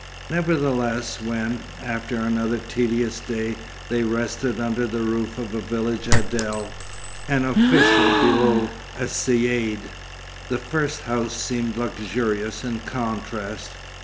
Nevertheless, when, after another tedious day, they rested under the roof of a village adel, an official below a caïd, the first house seemed luxurious in contrast.